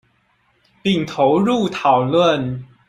並投入討論